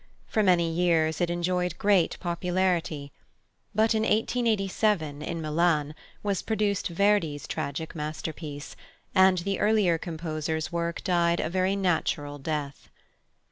For many years it enjoyed great popularity. But in 1887, in Milan, was produced Verdi's tragic masterpiece, and the earlier composer's work died a very natural death.